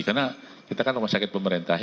karena kita kan rumah sakit pemerintah ya